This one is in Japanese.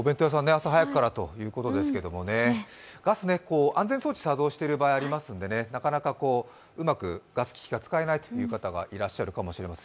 朝早くからということですけど、ガスは安全装置が作動している場合がありますのでなかなかうまくガス機器が使えないという方がいらっしゃるかもしれません。